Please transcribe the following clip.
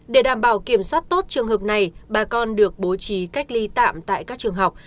để đảm bảo kiểm soát tốt trường hợp này bà con được bố trí cách ly tạm tại các trường học